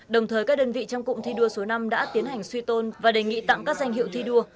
đồng thời các đơn vị trong cụm thi đua số năm đã tiến hành suy tôn và đề nghị tặng các danh hiệu thi đua